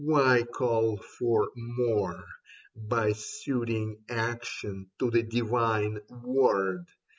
Why call for more By suiting action to the divine Word